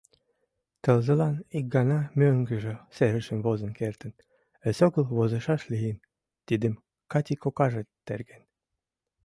Тылзылан ик гана мӧҥгыжӧ серышым возен кертын, эсогыл возышаш лийын, тидым Кати кокаже терген.